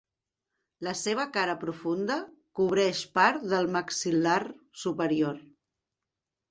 La seva cara profunda cobreix part del maxil·lar superior.